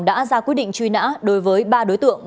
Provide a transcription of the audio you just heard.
đã ra quyết định truy nã đối với ba đối tượng